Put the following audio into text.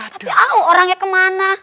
tapi aw orangnya kemana